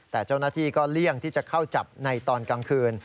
แต่เจ้าหน้าที่ก็เลี่ยงที่จะเข้าจับในตอนกลางคืน